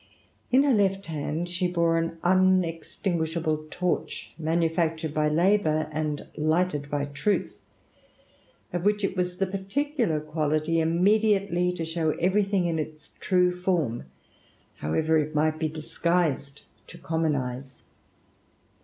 In her left hand she bore an unextinguishable torch, manufactured by Labour, and lighted by Truth, of whicli it was the particular quali^ immediately to show everything in its true form, howevff it might be disguised to common eyes.